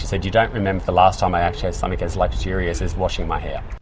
dia bilang anda tidak ingat kali terakhir saya memiliki sebuah kemurahan yang seperti mencuci rambut saya